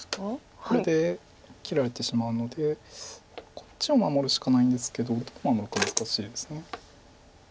これで切られてしまうのでこっちを守るしかないんですけどどう守るか難しいです。